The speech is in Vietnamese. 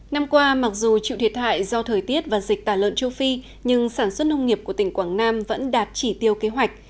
năm qua mặc dù chịu thiệt hại do thời tiết và dịch tả lợn châu phi nhưng sản xuất nông nghiệp của tỉnh quảng nam vẫn đạt chỉ tiêu kế hoạch